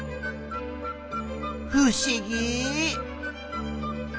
ふしぎ。